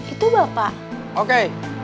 itu bapak oke